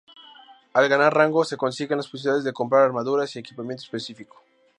Al ganar rangos se consigue la posibilidad de comprar armaduras y equipamiento específico.